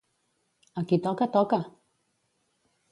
A qui toca, toca!